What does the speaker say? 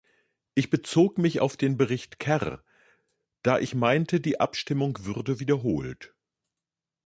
Ich bezog mich auf den Bericht Kerr, da ich meinte, die Abstimmung würde wiederholt.